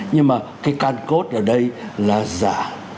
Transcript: nhưng mà cái can cốt ở đây là giả